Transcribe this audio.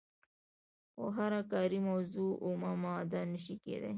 خو هره کاري موضوع اومه ماده نشي کیدای.